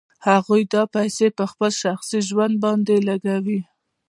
هغوی دا پیسې په خپل شخصي ژوند باندې لګوي